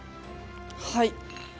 はい。